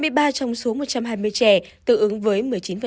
hai mươi ba trong số một trăm hai mươi trẻ tương ứng với một mươi chín